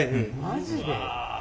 マジで？